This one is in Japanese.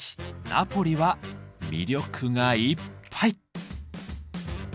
ナポリは魅力がいっぱい！